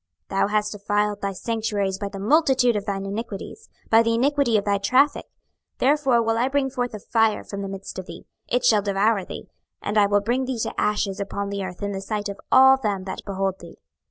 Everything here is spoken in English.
26:028:018 Thou hast defiled thy sanctuaries by the multitude of thine iniquities, by the iniquity of thy traffick; therefore will I bring forth a fire from the midst of thee, it shall devour thee, and I will bring thee to ashes upon the earth in the sight of all them that behold thee.